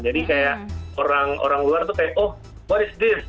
jadi kayak orang orang luar tuh kayak oh what is this